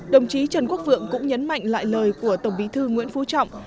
đồng chí trần quốc vượng cũng nhấn mạnh lại lời của tổng bí thư nguyễn phú trọng